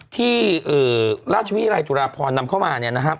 ที่ราชวิรัยจุราพรนำเข้ามา